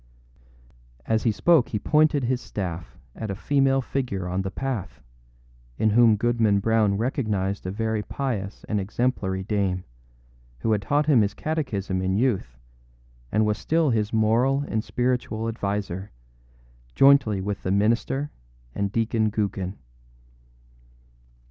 â As he spoke he pointed his staff at a female figure on the path, in whom Goodman Brown recognized a very pious and exemplary dame, who had taught him his catechism in youth, and was still his moral and spiritual adviser, jointly with the minister and Deacon Gookin.